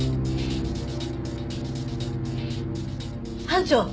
班長！